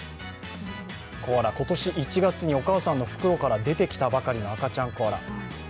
コアラ、今年１月にお母さんの袋から出てきたばかりの赤ちゃんコアラ。